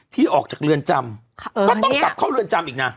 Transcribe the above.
ที่ออกจากเรือนจำก็ต้องกลับเข้าเรือนจำอีกนะ